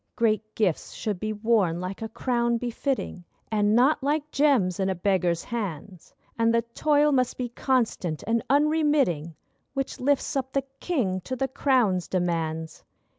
Great gifts should be worn, like a crown befitting, And not like gems in a beggar's hands! And the toil must be constant and unremitting Which lifts up the king to the crown's demands.